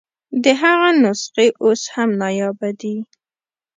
د هغه نسخې اوس هم نایابه دي.